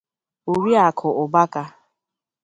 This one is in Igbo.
Oriakụ Ụbaka